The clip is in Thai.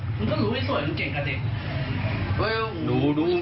แต่คนที่เบิ้ลเครื่องรถจักรยานยนต์แล้วเค้าก็ลากคนนั้นมาทำร้ายร่างกาย